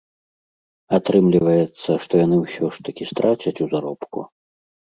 Атрымліваецца, што яны ўсё ж такі страцяць у заробку?